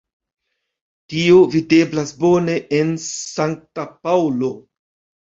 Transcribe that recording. Tio videblas bone en Sankta Paŭlo.